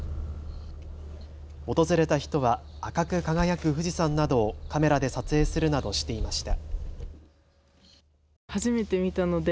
訪れた人は赤く輝く富士山などをカメラで撮影するなどしていました。